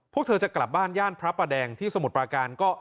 พวกเธอจะกลับบ้านย่านพระประแดงที่สมุทรปราการก็